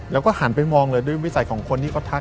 แล้วก็หันไปมองเลยด้วยวิสัยของคนที่เขาทัก